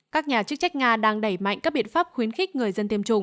các nhà chức trách nga đang đẩy mạnh các biện pháp phòng ngừa